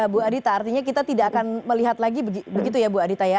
bu adita artinya kita tidak akan melihat lagi begitu ya bu adita ya